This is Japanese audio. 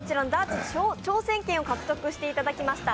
皆さんにダーツの挑戦権を獲得していただきました。